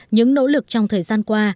những nỗ lực trong thời gian qua